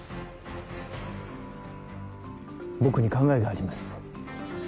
僕に考えがあります